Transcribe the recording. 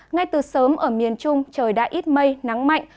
ngay từ sớm ở miền trung trời đã ít mây nắng mạnh